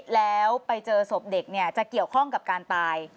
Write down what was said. แล้วไปเจอศพเด็กจะเกี่ยวข้องกับการตาย